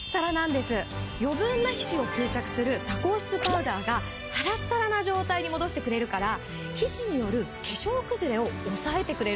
余分な皮脂を吸着する多孔質パウダーがサラッサラな状態に戻してくれるから皮脂による化粧崩れを抑えてくれるんです。